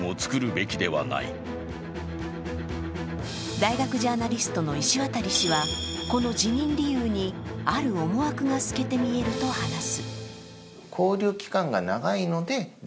大学ジャーナリストの石渡氏はこの辞任理由にある思惑が透けて見えると話す。